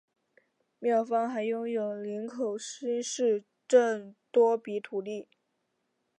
庙方还拥有林口新市镇多笔土地。